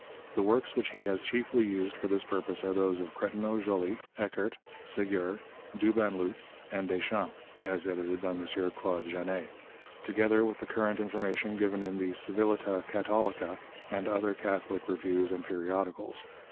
The works which he has chiefly used for this purpose are those of Cretineau Joly, Eckert, Segur, Dupanloup, and Deschamps (as edited by M. Claude Janet), together with the current information given in the Civilta CattoUca and other Catholic reviews and periodicals.